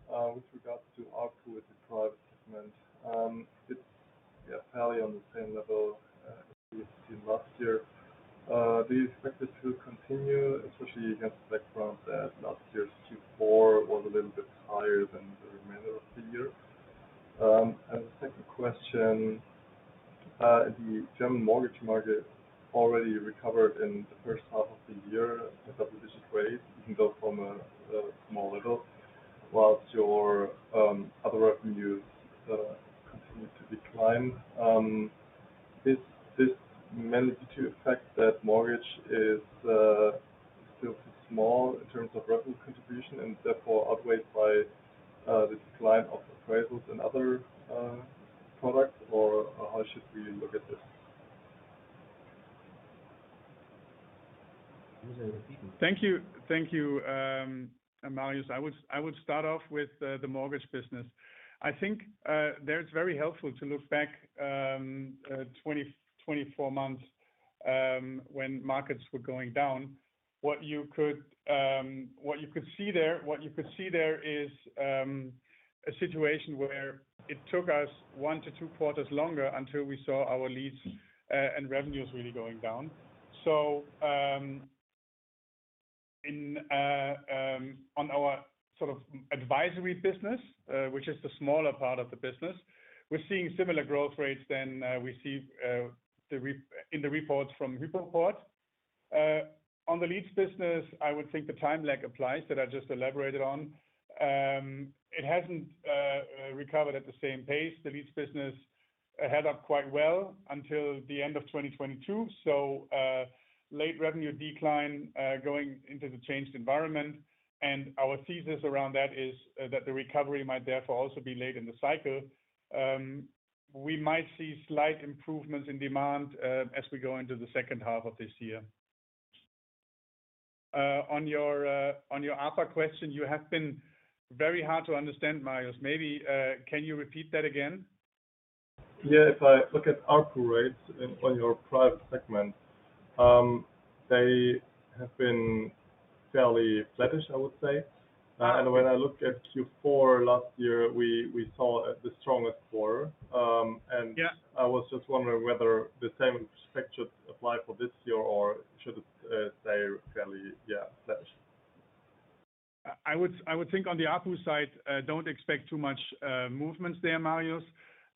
with regards to ARPU with the private segment. It's, yeah, fairly on the same level we've seen last year. Do you expect it to continue, especially against the background that last year's Q4 was a little bit higher than the remainder of the year? And the second question, the German mortgage market already recovered in the first half of the year at double-digit rates, even though from a small level, whilst your other revenues continued to decline. Is this mainly due to the fact that mortgage is still small in terms of revenue contribution and therefore outweighed by the decline of appraisals and other products? Or how should we look at this? Thank you. Thank you, Marius. I would start off with the mortgage business. I think there it's very helpful to look back 24 months when markets were going down. What you could see there is a situation where it took us 1-2 quarters longer until we saw our leads and revenues really going down. On our sort of advisory business, which is the smaller part of the business, we're seeing similar growth rates than we see in the reports from Hypoport. On the leads business, I would think the time lag applies that I just elaborated on. It hasn't recovered at the same pace. The leads business held up quite well until the end of 2022. So, late revenue decline, going into the changed environment. And our thesis around that is, that the recovery might therefore, also be late in the cycle. We might see slight improvements in demand, as we go into the second half of this year. On your, on your ARPA question, you have been very hard to understand, Marius. Maybe, can you repeat that again? Yeah. If I look at ARPU rates in on your private segment, they have been fairly flattish, I would say. And when I looked at Q4 last year, we saw the strongest quarter, and- Yeah. I was just wondering whether the same perspective apply for this year or should it stay fairly flattish? I would think on the ARPU side, don't expect too much movements there, Marius.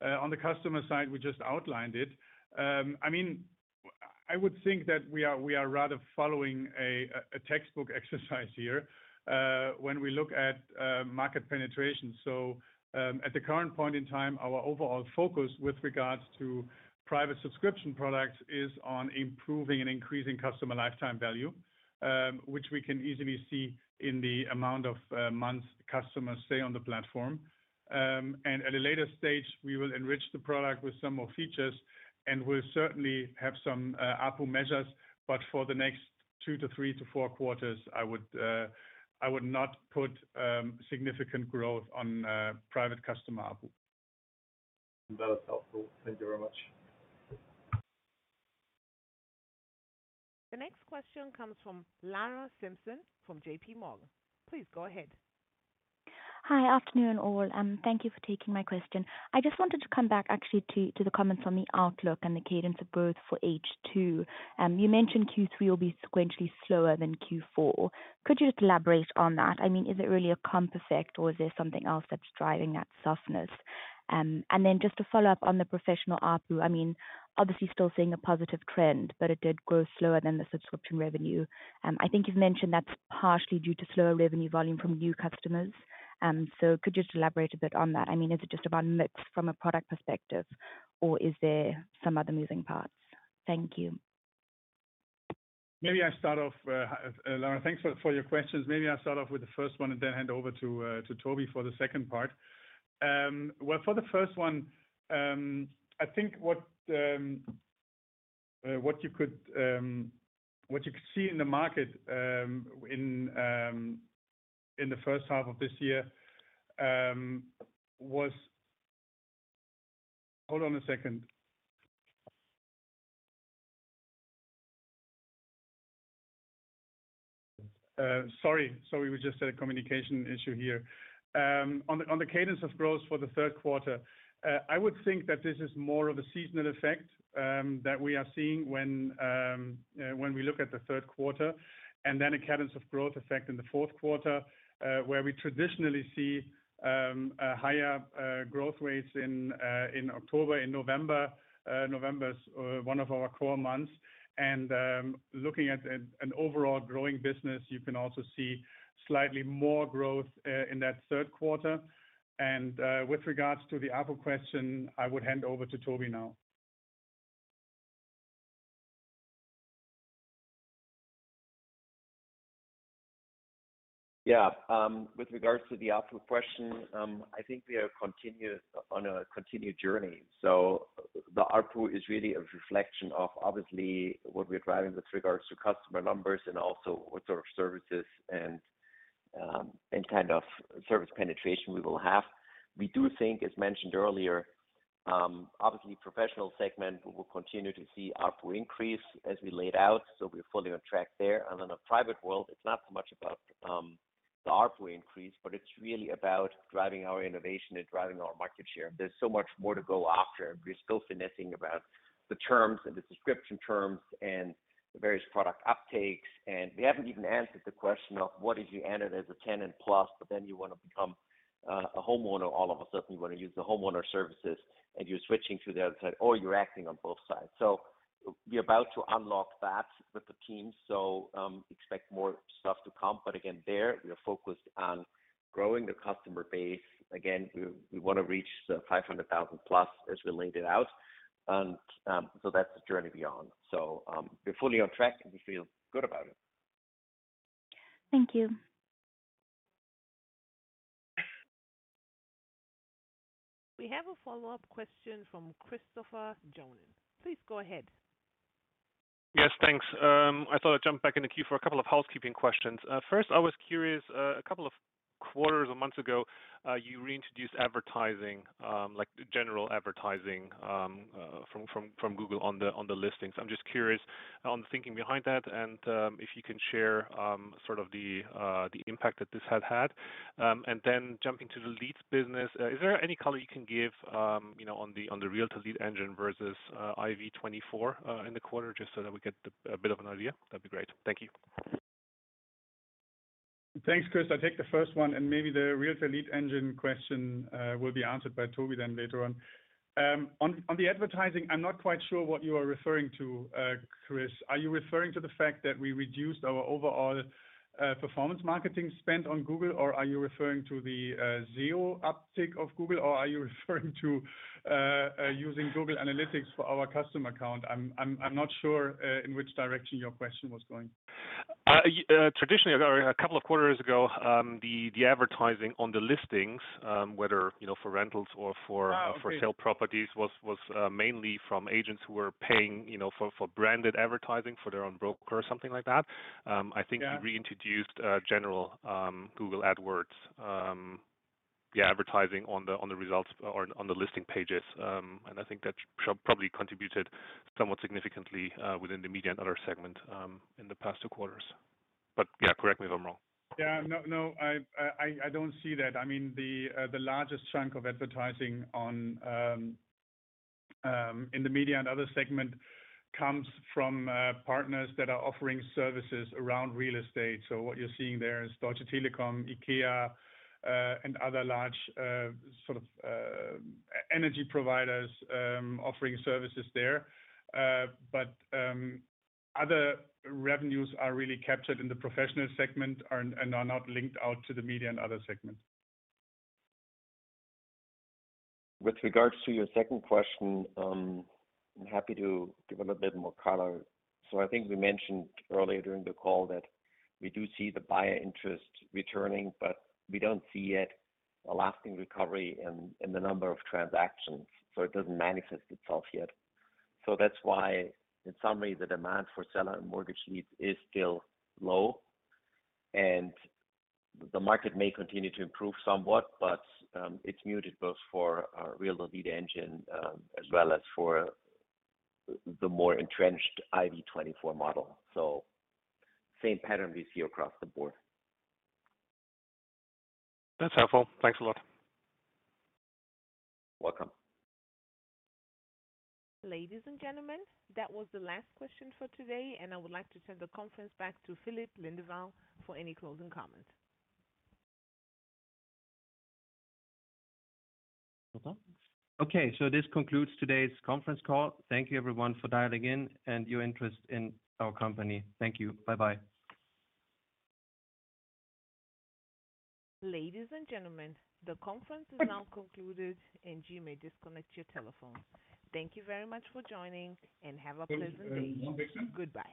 On the customer side, we just outlined it. I mean, I would think that we are rather following a textbook exercise here, when we look at market penetration. So, at the current point in time, our overall focus with regards to private subscription products is on improving and increasing customer lifetime value, which we can easily see in the amount of months customers stay on the platform. And at a later stage, we will enrich the product with some more features, and we'll certainly have some ARPU measures. But for the next 2 to 3 to 4 quarters, I would not put significant growth on private customer ARPU. That is helpful. Thank you very much. The next question comes from Lara Simpson, from JPMorgan. Please go ahead. Hi. Afternoon, all, thank you for taking my question. I just wanted to come back actually to the comments on the outlook and the cadence of growth for H2. You mentioned Q3 will be sequentially slower than Q4. Could you just elaborate on that? I mean, is it really a comp effect, or is there something else that's driving that softness? And then just to follow up on the professional ARPU, I mean, obviously still seeing a positive trend, but it did grow slower than the subscription revenue. I think you've mentioned that's partially due to slower revenue volume from new customers. So could you just elaborate a bit on that? I mean, is it just about mix from a product perspective, or is there some other moving parts? Thank you. Maybe I start off, Lara, thanks for your questions. Maybe I'll start off with the first one and then hand over to Toby for the second part. Well, for the first one, I think what you could see in the market in the first half of this year was... Hold on a second. Sorry, we just had a communication issue here. On the cadence of growth for the third quarter, I would think that this is more of a seasonal effect that we are seeing when we look at the third quarter, and then a cadence of growth effect in the fourth quarter, where we traditionally see a higher growth rates in October and November. November's one of our core months. Looking at an overall growing business, you can also see slightly more growth in that third quarter. With regards to the ARPU question, I would hand over to Toby now. Yeah. With regards to the ARPU question, I think we are continued, on a continued journey. So the ARPU is really a reflection of obviously what we're driving with regards to customer numbers and also what sort of services and, and kind of service penetration we will have. We do think, as mentioned earlier, obviously, professional segment, we will continue to see ARPU increase as we laid out, so we're fully on track there. And in a private world, it's not so much about, the ARPU increase, but it's really about driving our innovation and driving our market share. There's so much more to go after. We're still finessing about the terms and the subscription terms and the various product uptakes, and we haven't even answered the question of what if you enter as a TenantPlus, but then you want to become a homeowner, all of a sudden, you want to use the homeowner services, and you're switching to the other side, or you're acting on both sides. So we're about to unlock that with the team. So, expect more stuff to come. But again, there, we are focused on growing the customer base. Again, we, we want to reach the 500,000+ as we laid it out. And, so that's the journey beyond. So, we're fully on track, and we feel good about it. Thank you. We have a follow-up question from Christopher Johnen. Please go ahead. Yes, thanks. I thought I'd jump back in the queue for a couple of housekeeping questions. First, I was curious, a couple of quarters or months ago, you reintroduced advertising, like general advertising, from Google on the listings. I'm just curious on the thinking behind that and, if you can share, sort of the impact that this has had. And then jumping to the leads business, is there any color you can give, you know, on the Realtor Lead Engine versus IV24 in the quarter, just so that we get a bit of an idea? That'd be great. Thank you. Thanks, Chris. I'll take the first one, and maybe the Realtor Lead Engine question will be answered by Toby then later on. On the advertising, I'm not quite sure what you are referring to, Chris. Are you referring to the fact that we reduced our overall performance marketing spend on Google, or are you referring to the zero uptick of Google, or are you referring to using Google Analytics for our customer account? I'm not sure in which direction your question was going. Traditionally, or a couple of quarters ago, the advertising on the listings, whether, you know, for rentals or for- Ah, okay. -for sale properties, was mainly from agents who were paying, you know, for branded advertising for their own broker or something like that. I think- Yeah... you reintroduced general Google AdWords advertising on the results or on the listing pages. And I think that probably contributed somewhat significantly within the media and other segment in the past two quarters. But correct me if I'm wrong. Yeah. No, no, I don't see that. I mean, the largest chunk of advertising on in the media and other segment comes from partners that are offering services around real estate. So what you're seeing there is Deutsche Telekom, IKEA, and other large sort of energy providers offering services there. But other revenues are really captured in the professional segment and are not linked out to the media and other segments. With regards to your second question, I'm happy to give a little bit more color. So I think we mentioned earlier during the call that we do see the buyer interest returning, but we don't see yet a lasting recovery in the number of transactions, so it doesn't manifest itself yet. So that's why, in summary, the demand for seller and mortgage leads is still low, and the market may continue to improve somewhat, but it's muted both for our Realtor Lead Engine, as well as for the more entrenched IV24 model. So same pattern we see across the board. That's helpful. Thanks a lot. Welcome. Ladies and gentlemen, that was the last question for today, and I would like to turn the conference back to Filip Lindvall for any closing comments. Okay, so this concludes today's conference call. Thank you, everyone, for dialing in and your interest in our company. Thank you. Bye-bye. Ladies and gentlemen, the conference is now concluded, and you may disconnect your telephone. Thank you very much for joining, and have a pleasant day. Goodbye.